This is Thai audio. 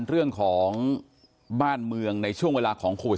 เรื่องของบ้านเมืองในช่วงเวลาของคุณ